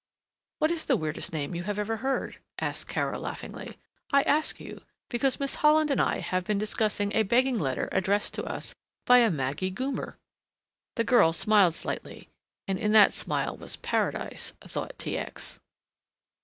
"What is the weirdest name you have ever heard?" asked Kara laughingly. "I ask you, because Miss Holland and I have been discussing a begging letter addressed to us by a Maggie Goomer." The girl smiled slightly and in that smile was paradise, thought T. X.